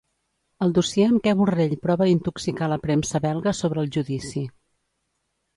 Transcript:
El dossier amb què Borrell prova d'intoxicar la premsa belga sobre el judici.